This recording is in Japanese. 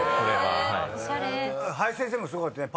林先生もすごかったね。